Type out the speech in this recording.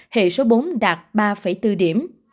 hệ số bốn đạt ba bốn điểm